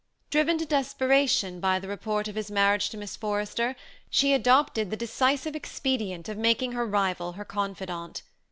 Driv en to desperation by the report of his marriage to Miss Forrester, she adopted the decisive expedient of making her rival her confidante.